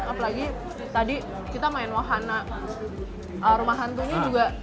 apalagi tadi kita main wahana rumah hantunya juga